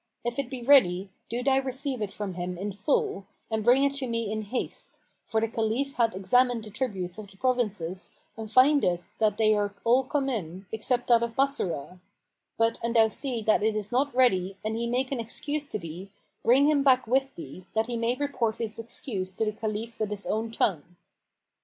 If it be ready, do thou receive it from him in full and bring it to me in haste, for the Caliph hath examined the tributes of the provinces and findeth that they are all come in, except that of Bassorah: but an thou see that it is not ready and he make an excuse to thee, bring him back with thee, that he may report his excuse to the Caliph with his own tongue."